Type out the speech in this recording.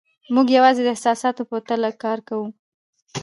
موږ یوازې د احساساتو په تله کار کوو.